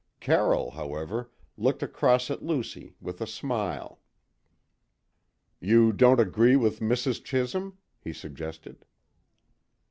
Carroll, however, looked across at Lucy with a smile. "You don't agree with Mrs. Chisholm?" he suggested.